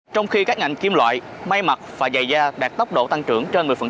trong khi các ngành kim loại may mặt và dày da đạt tốc độ tăng trưởng trên một mươi